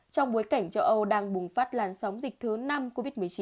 trong bối cảnh châu âu đang bùng phát làn sóng dịch thứ năm covid một mươi chín